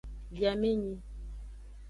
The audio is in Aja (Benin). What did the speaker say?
Biamenyi.